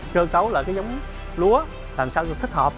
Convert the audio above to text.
sơ cấu lại cái giống lúa làm sao được thích hợp